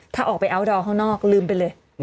ถ้าออกไปอัลดอร์ข้างนอกลืมไปเลย